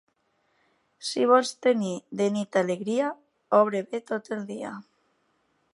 Si vols tenir de nit alegria, obra bé tot el dia.